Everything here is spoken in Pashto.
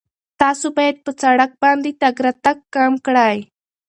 تاسو باید په سړک باندې تګ راتګ کم کړئ.